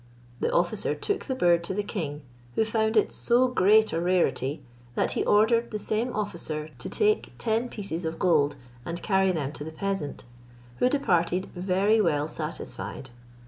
The officer took the bird to the king, who found it so great a rarity, that he ordered the same officer to take ten pieces of gold, and carry them to the peasant, who departed very well satisfied.